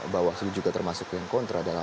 bawaslu juga termasuk yang kontra dalam